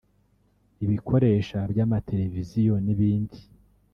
ibikoresha by’amateleviziyo n’ibindi